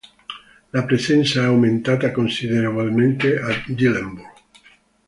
La presenza è aumentata considerevolmente a Dillenburg.